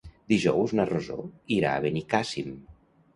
Dijous na Rosó irà a Benicàssim.